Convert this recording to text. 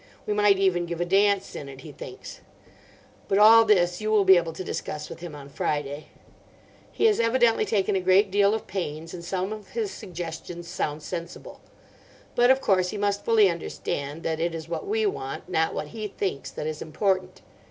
We might even give a dance in it, he thinks. But all this you will be able to discuss with him on Friday. He has evidently taken a great deal of pains, and some of his suggestions sound sensible. But of course he must fully understand that it is what we want, not what he thinks, that is important.